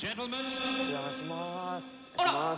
お邪魔しまーす。